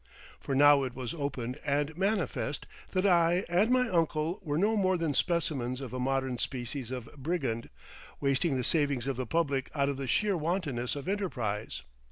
For now it was open and manifest that I and my uncle were no more than specimens of a modern species of brigand, wasting the savings of the public out of the sheer wantonness of enterprise.